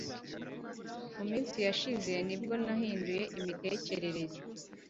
Mu minsi yashize ni bwo yahinduye imitekerereze